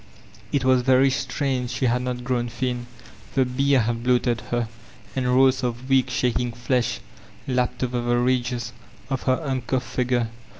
It was very strange she had not grown thin; the beer had bloated her, and rolls of weak, shaking fledi bpped over the ridges of her uncoutfi figure.